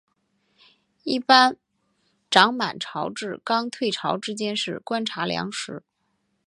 一般涨满潮至刚退潮之间是观察良时。